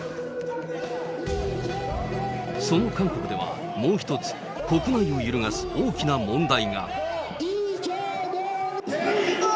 その韓国ではもう一つ、国内を揺るがす大きな問題が。